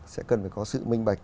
sẽ cần phải có sự minh bạch